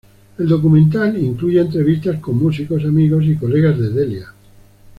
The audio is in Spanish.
El documental incluye entrevistas con músicos, amigos y colegas de Delia.